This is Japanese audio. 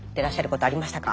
ことありましたか？